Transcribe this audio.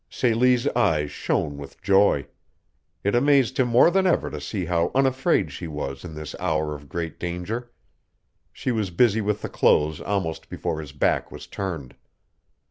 Celie's eyes shone with joy. It amazed him more than ever to see how unafraid she was in this hour of great danger. She was busy with the clothes almost before his back was turned.